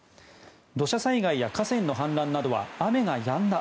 土砂災害や河川の氾濫などは雨がやんだ